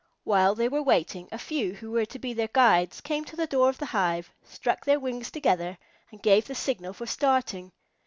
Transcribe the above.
While they were waiting, a few who were to be their guides came to the door of the hive, struck their wings together, and gave the signal for starting.